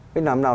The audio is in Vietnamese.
cách làm nào